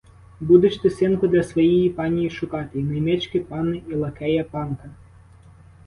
Будеш ти, синку, для своєї панії шукати і наймички панни і лакея панка.